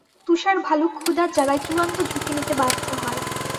তুষার ভালুক ক্ষুধার জ্বালায় চূড়ান্ত ঝুঁকি নিতে বাধ্য হয়।